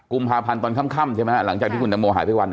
กุมฮาพันธ์ตอนคั้มคั้มใช่ไหมอ่ะหลังจากที่คุณดำมอหายไปวัน